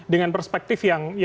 dengan perspektif yang